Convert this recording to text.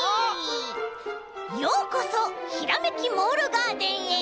ようこそひらめきモールガーデンへ。